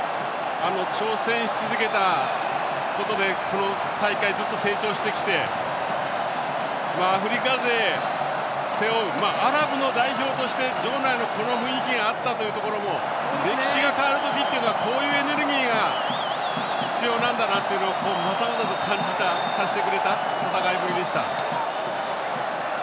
挑戦し続けたことでこの大会、ずっと成長してきてアフリカ勢、背負うアラブの代表として場内のこの雰囲気があったということも歴史が変わる時というのはこういうエネルギーが必要なんだなというのをまざまざと感じさせてくれた戦いぶりでした。